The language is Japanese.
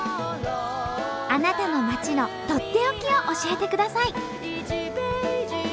あなたの町のとっておきを教えてください。